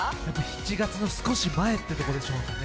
７月の少し前ってことでしょうかね。